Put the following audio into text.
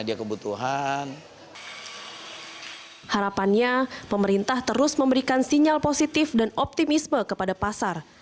harapannya pemerintah terus memberikan sinyal positif dan optimisme kepada pasar